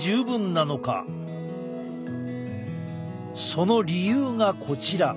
その理由がこちら。